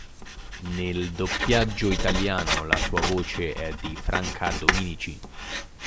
Nel doppiaggio italiano la sua voce è di Franca Dominici.